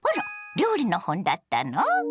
料理の本だったの？